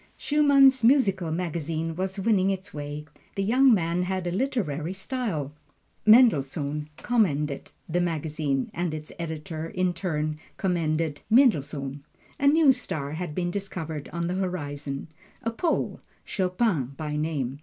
Schumann's musical magazine was winning its way the young man had a literary style. Mendelssohn commended the magazine, and its editor in turn commended Mendelssohn. A new star had been discovered on the horizon a Pole, Chopin by name.